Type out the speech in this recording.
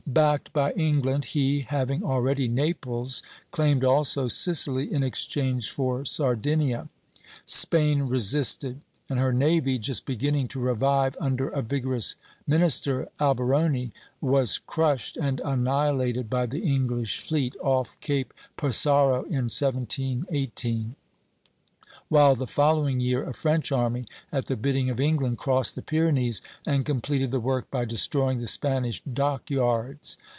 Backed by England, he, having already Naples, claimed also Sicily in exchange for Sardinia. Spain resisted; and her navy, just beginning to revive under a vigorous minister, Alberoni, was crushed and annihilated by the English fleet off Cape Passaro in 1718; while the following year a French army, at the bidding of England, crossed the Pyrenees and completed the work by destroying the Spanish dock yards.